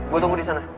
gue tunggu disana